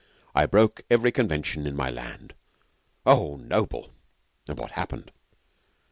'I broke every convention in my land.' 'Oh, noble! And what happened?'